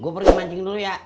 gue pergi mancing dulu ya